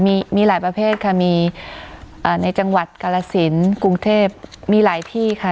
มีมีหลายประเภทค่ะมีอ่าในจังหวัดกาลสินกรุงเทพมีหลายที่ค่ะ